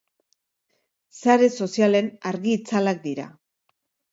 Sare sozialen argi-itzalak dira.